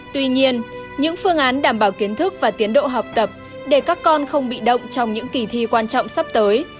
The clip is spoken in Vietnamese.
tuy nhiên những phương án đảm bảo kiến thức và tiến độ học tập để các con không bị động trong những kỳ thi quan trọng sắp tới